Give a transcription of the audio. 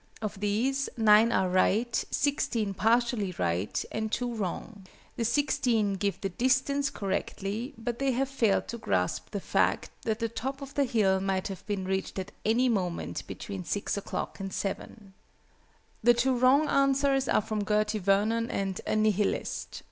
Of these, 9 are right, 16 partially right, and 2 wrong. The 16 give the distance correctly, but they have failed to grasp the fact that the top of the hill might have been reached at any moment between 6 o'clock and 7. The two wrong answers are from GERTY VERNON and A NIHILIST.